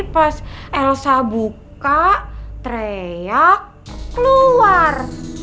pas elsa buka teriak keluar